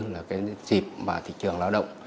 là dịp thị trường lao động